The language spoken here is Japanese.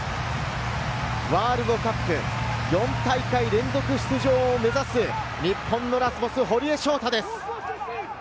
ワールドカップ４大会連続出場を目指す、日本のラスボス・堀江翔太です。